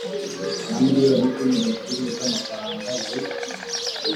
na miliyoni cumi n ebyiri z amafaranga y u